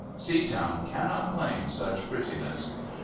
Seatown cannot claim such prettiness.